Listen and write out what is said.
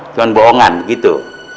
cuma bohongan begitu